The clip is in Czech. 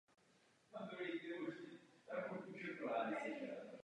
Islám nemá západní pojetí svobody a demokracie v lásce.